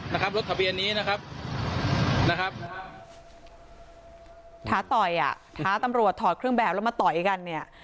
นะครับรถทะเบียนนี้นะครับนะครับท้าต่อยอ่ะท้าตำรวจถอดเครื่องแบบแล้วมาต่อยกันเนี่ย